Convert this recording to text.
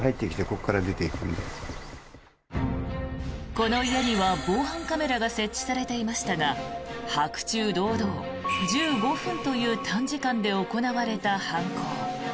この家には防犯カメラが設置されていましたが白昼堂々、１５分という短時間で行われた犯行。